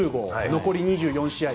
残り２４試合。